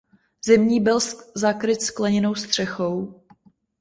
Zimní byl zakryt skleněnou střechou.